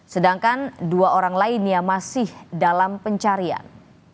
sedangkan dua orang lainnya masih dalam pencarian